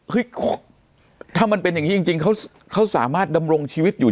ถ้ามันเป็นอย่างนี้จริงเขาสามารถดำรงชีวิตอยู่